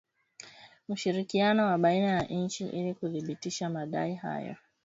ushirikiano wa baina ya nchi ili kuthibitisha madai hayo